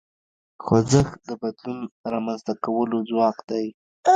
خوځښت د بدلون رامنځته کولو ځواک دی.